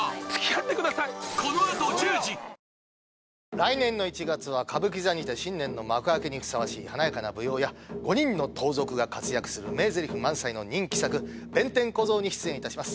来年の１月は歌舞伎座にて新年の幕開けにふさわしい華やかな舞踊や五人の盗賊が活躍する名ぜりふ満載の人気作に出演いたします